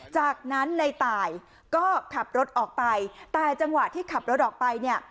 จากนั้นในตายก็ขับรถออกไปแต่จังหวะที่ขับรถออกไปเนี่ย